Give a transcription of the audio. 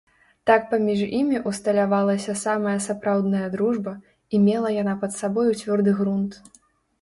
Так паміж імі ўсталявалася самая сапраўдная дружба, і мела яна пад сабою цвёрды грунт.